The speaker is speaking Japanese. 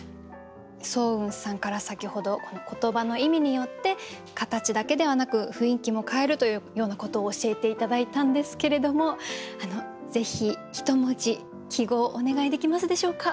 双雲さんから先ほど言葉の意味によって形だけではなく雰囲気も変えるというようなことを教えて頂いたんですけれどもぜひ１文字揮毫お願いできますでしょうか。